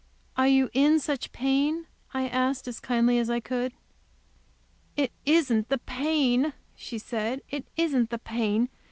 "Are you in such pain?" I asked, as kindly as I could. "It isn't the pain," she said, "it isn't the pain.